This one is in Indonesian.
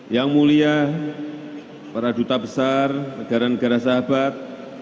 yang mulia para duta besar negara negara sahabat